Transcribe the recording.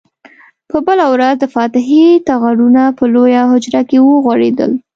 په بله ورځ د فاتحې ټغرونه په لویه حجره کې وغوړېدل.